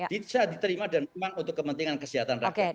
bisa diterima dan memang untuk kepentingan kesehatan rakyat